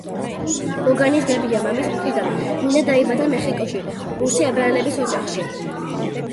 ლოგანის ბებია, მამის მხრიდან, მინა დაიბადა მეხიკოში, რუსი ებრაელების ოჯახში.